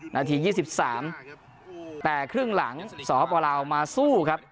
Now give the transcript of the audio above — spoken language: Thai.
นาทียี่สิบสามแต่ครึ่งหลังศรศักดิ์ธิ์ฮพลาวมาสู้ครับ